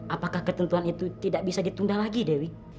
apakah ketentuan itu tidak bisa ditunda lagi dewi